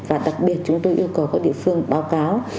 và đặc biệt chúng tôi yêu cầu các địa phương báo cáo